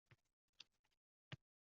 Ey mehribon